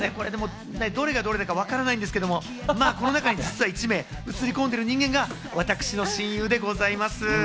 どれがどれだかわからないんですけど、この中に実際１名、映り込んでる人間が私の親友でございます。